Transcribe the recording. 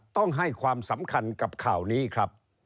ต้องให้ความสำคัญกับข่าวนี้ครับ